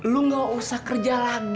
lu gak usah kerja lagi